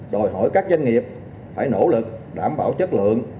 đòi hỏi các doanh nghiệp phải nỗ lực đảm bảo chất lượng